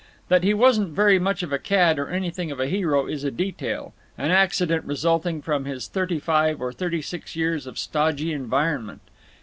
That he wasn't very much of a cad or anything of a hero is a detail, an accident resulting from his thirty five or thirty six years of stodgy environment.